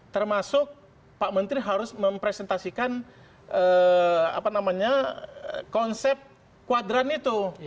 termasuk pak menteri harus mempresentasikan konsep kuadran itu